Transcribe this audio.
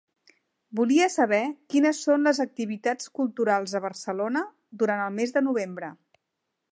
Volia saber quines son les activitats culturals a Barcelona durant el mes de novembre.